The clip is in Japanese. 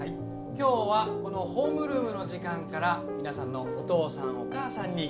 今日はこのホームルームの時間から皆さんのお父さんお母さんに見てもらいます。